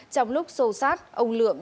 trong lúc sâu sát ông lượm